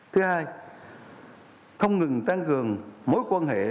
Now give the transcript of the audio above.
thứ hai không ngừng tăng cường mối quan hệ